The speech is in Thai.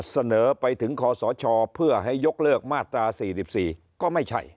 เสนอไปถึงคอสชเพื่อให้ยกเลิกมาตรา๔๔ก็ไม่ใช่